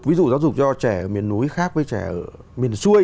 ví dụ giáo dục cho trẻ ở miền núi khác với trẻ ở miền xuôi